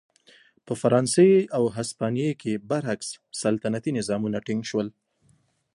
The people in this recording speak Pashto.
په فرانسې او هسپانیې کې برعکس سلطنتي نظامونه ټینګ شول.